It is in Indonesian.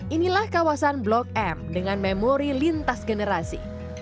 inilah kawasan blok m dengan memori lintas generasi